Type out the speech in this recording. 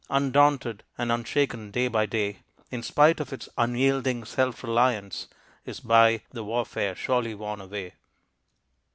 Undaunted and unshaken day by day, In spite of its unyielding self reliance, Is by the warfare surely worn away.